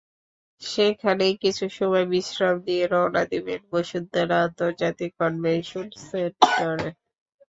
সেখানেই কিছু সময় বিশ্রাম নিয়ে রওনা দেবেন বসুন্ধরা আন্তর্জাতিক কনভেনশন সেন্টারে।